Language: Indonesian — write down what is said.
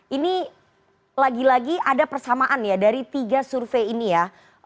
ini lagi lagi ada persamaan ya dari tiga survei ini ya